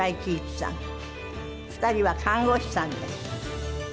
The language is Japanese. ２人は看護師さんです。